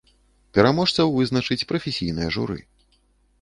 Пераможцаў вызначыць прафесійнае журы.